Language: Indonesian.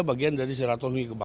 bagian dari silaturahmi kebangsaan